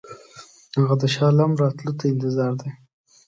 هغه د شاه عالم راتلو ته انتظار دی.